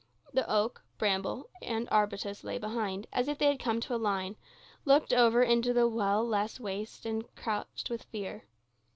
The oak, bramble, and arbutus lay behind, as if they had come to a line, looked over into the well less waste and crouched with fear.